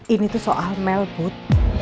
ini tuh soal mel put